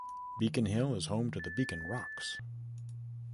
Beacon Hill is home to the Beacon Rocks!